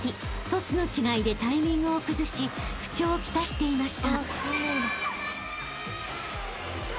［トスの違いでタイミングを崩し不調を来していました］